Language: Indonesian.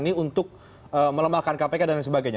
ini untuk melembarkan kpk dan sebagainya